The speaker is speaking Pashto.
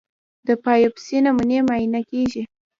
د بایوپسي نمونې معاینه کېږي.